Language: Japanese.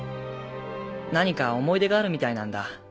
何か思い出があるみたいなんだ